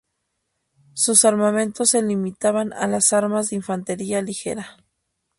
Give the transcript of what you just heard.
Sus armamentos se limitaban a las armas de infantería ligera.